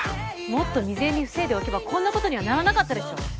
もっと未然に防いでおけばこんな事にはならなかったでしょ。